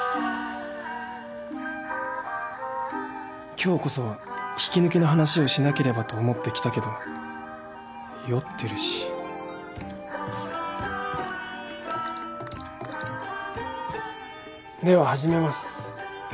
今日こそは引き抜きの話をしなければと思って来たけど酔ってるしでは始めます。